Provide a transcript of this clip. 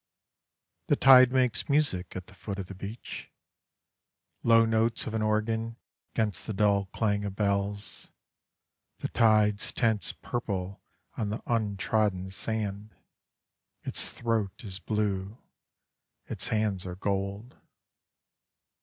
The tide makes music At the foot of the beach; Low notes of an organ 'Gainst the dull clang of bells. The tide's tense purple On the untrodden sand: Its throat is blue, Its hands are gold.